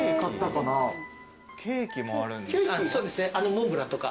モンブランとか。